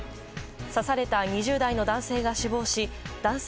刺された２０代の男性が死亡し男性